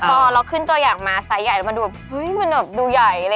เพราะเราขึ้นตัวอย่างมาไซส์ใหญ่แล้วมันดูแบบเฮ้ยมันแบบดูใหญ่อะไรอย่างนี้